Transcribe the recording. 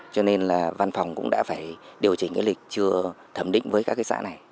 cho nên là văn phòng cũng đã phải điều chỉnh cái lịch chưa thẩm định với các cái xã này